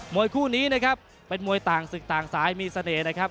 วยคู่นี้นะครับเป็นมวยต่างศึกต่างสายมีเสน่ห์นะครับ